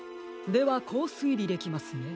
ではこうすいりできますね。